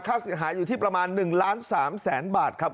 ข้าวเสียหายอยู่ที่ประมาณ๑๓๓๐๐๐บาทครับ